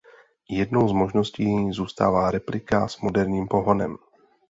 Jednou z možností zůstává replika s moderním pohonem.